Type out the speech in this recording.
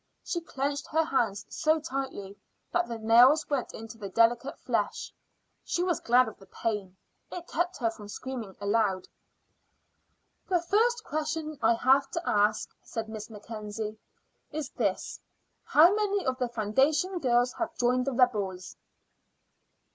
She clenched her hands so tightly that the nails went into the delicate flesh. She was glad of the pain; it kept her from screaming aloud. "The first question I have to ask," said Miss Mackenzie, "is this: How many of the foundation girls have joined the rebels?"